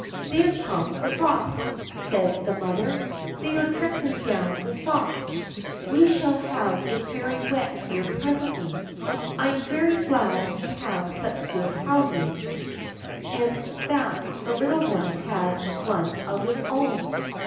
"There come the drops," said the mother; "they are trickling down the stalks. We shall have it very wet here presently. I am very glad we have such good houses, and that the little one has one of his own.